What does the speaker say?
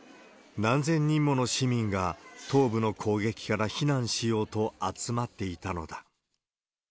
何千人もの市民が東部の攻撃から避難しようと集まっていたのだ。